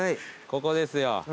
ここですよ。